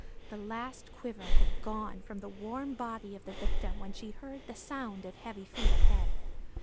The last quiver had gone from the warm body of the victim when she heard the sound of heavy feet ahead.